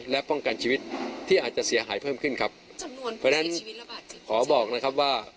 และป้องกันชีวิตที่อาจจะเสียหายเพิ่มขึ้นครับจำนวนเพราะฉะนั้นขอบอกนะครับว่า